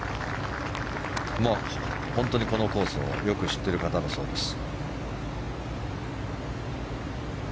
本当にこのコースをよく知ってる方だそうです。